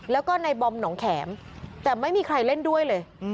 แล้วก็ในบอมหนองแข็มแต่ไม่มีใครเล่นด้วยเลย